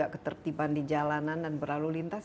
ketertiban di jalanan dan berlalu lintas